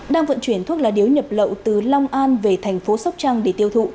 đang vận chuyển thuốc lá điếu nhập lậu từ long an về thành phố sóc trăng để tiêu thụ